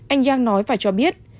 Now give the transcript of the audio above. anh giang nói và cho biết